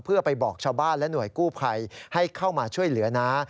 เพื่อไปบอกชาวบ้านและหน่วยกู้ภัยให้เข้ามาช่วยเหลือน้า